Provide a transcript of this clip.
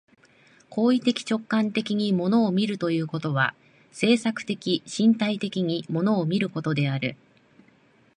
行為的直観的に物を見るということは、制作的身体的に物を見ることである。